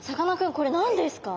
これ何ですか？